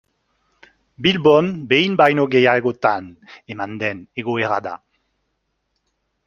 Bilbon behin baino gehiagotan eman den egoera da.